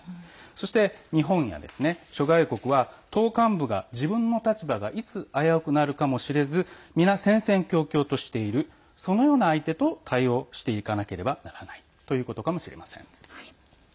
そして、日本や諸外国は党幹部が自分の立場がいつ危うくなるかもしれず皆、戦々恐々としているそのような相手と対応していかなければならないということかもしれません。